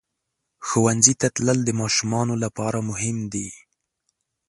ښوونځي ته تلل د ماشومانو لپاره مهم دي.